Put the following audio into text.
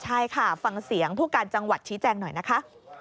ใช่ค่ะฟังเสียงผู้การจังหวัดชี้แจงหน่อยนะคะ